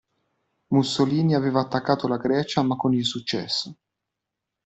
Mussolini aveva attaccato la Grecia ma con insuccesso.